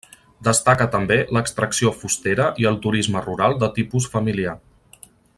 Destaca també l'extracció fustera i el turisme rural de tipus familiar.